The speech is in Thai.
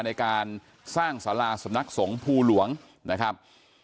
ในการสร้างสาราสำนักสงภูหลวงนะครับ